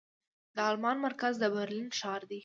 د المان مرکز د برلين ښار دې.